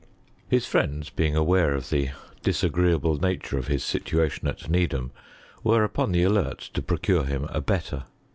His friends being aware of the disagreeable nature of his situation at Needham, were upon the alert to procure him a better.